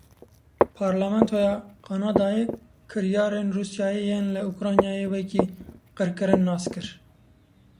Parlamentoya Kanadayê kiryarên Rûsyayê yên li Ukraynayê wekî qirkirin nas kir.